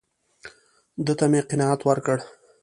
ده ته مې قناعت ورکړ.